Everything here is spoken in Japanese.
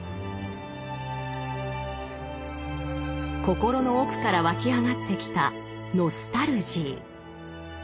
心の奥から湧き上がってきたノスタルジー。